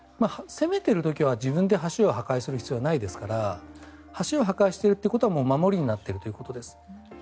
攻めている時は自分で橋を破壊する必要はないですから橋を破壊しているということは守りになっているということです。